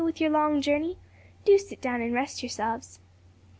with your long journey. Do sit down and rest yourselves."